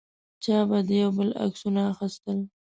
چا به د یو بل عکسونه اخیستل.